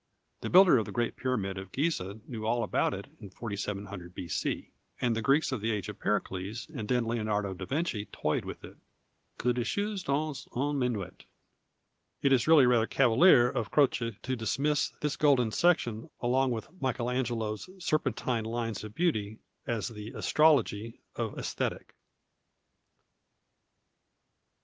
Tiie builder of the Great Pyramid of Ciliizcli knew all about it in 4700 B.C. and the Greeks of the age of Pericles, and then Leonardo da Vinci toyed with it —" que de choses dans un inenuet !" It is really rather cavalier of Croce to dismiss this golden section along with Michael Angelo's serpentine lines of beauty as the astrology of ^^sthetic.